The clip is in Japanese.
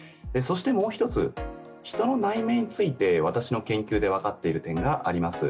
もう一つ、人の内面について私の研究で分かっている点があります。